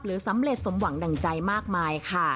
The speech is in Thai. สำเร็จสมหวังดั่งใจมากมายค่ะ